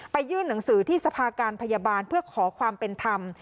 ยื่นหนังสือที่สภาการพยาบาลเพื่อขอความเป็นธรรม